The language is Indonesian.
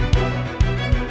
ya kita berhasil